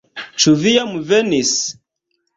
Ĉu vi jam venis?